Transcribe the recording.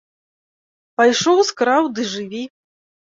Пайшоў, скраў, ды жыві!